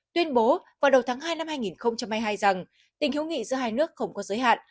tuyên bố vào đầu tháng hai năm hai nghìn hai mươi hai rằng tình hữu nghị giữa hai nước không có giới hạn